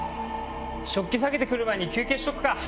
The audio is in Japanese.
食器下げて来る前に休憩しとくか。